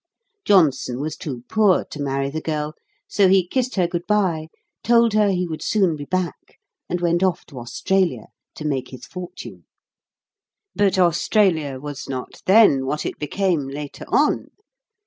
Johnson was too poor to marry the girl, so he kissed her good bye, told her he would soon be back, and went off to Australia to make his fortune. But Australia was not then what it became later on.